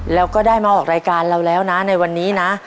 แล้วก็ได้มาออกรายการเราแล้วนะในวันนี้นะ